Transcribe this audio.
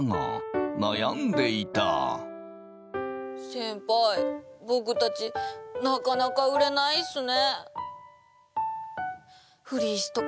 先輩僕たちなかなか売れないっすね。